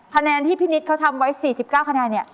คะแนนที่พี่นิดเขาทำไว้๔๙คะแนนเนี่ย